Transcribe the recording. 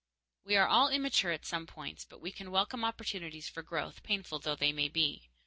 _ We are all immature at some points, but we can welcome opportunities for growth, painful though they may be.